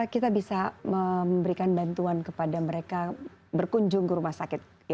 kita bisa memberikan bantuan kepada mereka berkunjung ke rumah sakit